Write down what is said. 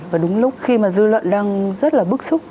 và đúng lúc khi mà dư luận đang rất là bức xúc